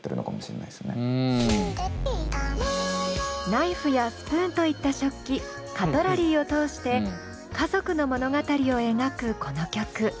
ナイフやスプーンといった食器カトラリーを通して家族の物語を描くこの曲。